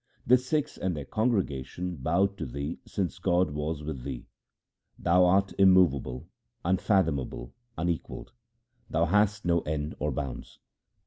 The Sikhs and their congregation bowed to thee since God was with thee. Thou art immovable, unfathomable, unequalled ; thou hast no end or bounds.